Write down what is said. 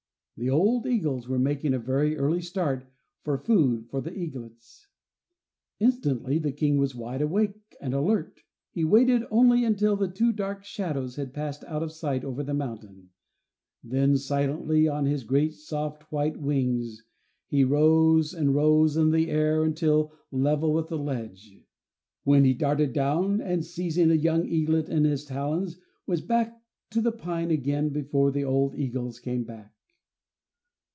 The old eagles were making a very early start for food for the eaglets. Instantly the King was wide awake and alert; he waited only until the two dark shadows had passed out of sight over the mountain, then, silently, on his great, soft white wings he rose and rose in the air until level with the ledge, when he darted down and, seizing a young eaglet in his talons, was back to the pine again before the old eagles came back.